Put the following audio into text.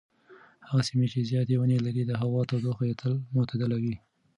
هغه سیمه چې زیاتې ونې لري د هوا تودوخه یې تل معتدله وي.